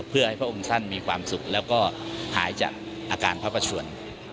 เพื่อให้พระองค์ท่านมีความสุขแล้วก็หายจากอาการพระประชวน